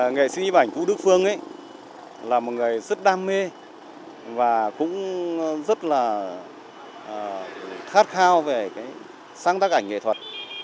nghệ sĩ ảnh vũ đức phương là một người rất đam mê và cũng rất là khát khao về sáng tác ảnh nghệ thuật